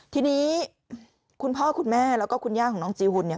ทีนี้คุณพ่อคุณแม่แล้วก็คุณย่าของน้องจีหุ่นเนี่ย